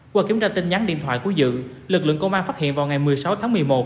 qua kiểm tra tin nhắn điện thoại của dự lực lượng công an phát hiện vào ngày một mươi sáu tháng một mươi một